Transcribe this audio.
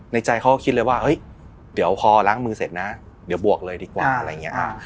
ใจเขาก็คิดเลยว่าเฮ้ยเดี๋ยวพอล้างมือเสร็จนะเดี๋ยวบวกเลยดีกว่าอะไรอย่างนี้